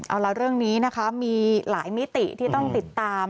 เอาละเรื่องนี้นะคะมีหลายมิติที่ต้องติดตาม